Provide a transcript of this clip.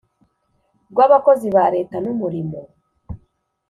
rw’abakozi ba leta numurimo